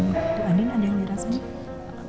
bu andien ada yang dirasa ya